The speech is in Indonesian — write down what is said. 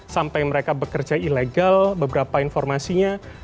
sampai mereka bekerja ilegal beberapa informasinya